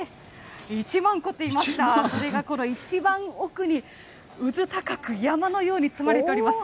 １万個と言いました、それがこの一番奥にうずたかく山のように積まれております